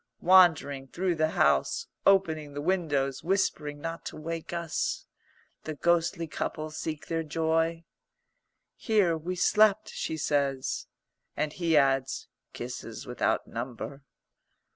Wandering through the house, opening the windows, whispering not to wake us, the ghostly couple seek their joy. "Here we slept," she says. And he adds, "Kisses without number."